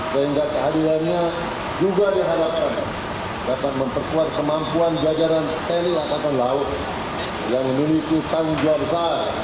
sehingga kehadirannya juga diharapkan dapat memperkuat kemampuan jajaran tni angkatan laut yang memiliki tanggung jawab